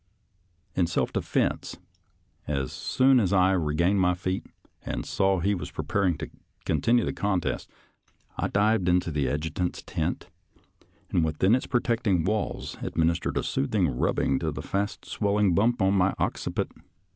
In self defense, as soon as I re gained my feet and saw he was preparing to con tinue the contest, I dived into the adjutant's tent, and within its protecting walls adminis tered a soothing rubbing to the fast swelling bump on my occiput.